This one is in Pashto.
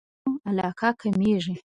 غريبانو علاقه کمېږي.